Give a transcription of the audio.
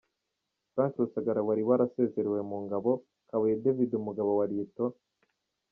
Frank Rusagara wari warasezerewe mu ngabo, Kabuye David Umugabo wa Lt.